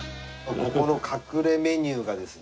ここの隠れメニューがですね。